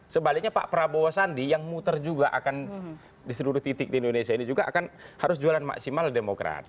sebaliknya pak prabowo sandi yang muter juga akan di seluruh titik di indonesia ini juga akan harus jualan maksimal demokrat